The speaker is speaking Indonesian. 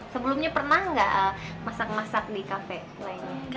sebelumnya pernah nggak masak masak di kafe lainnya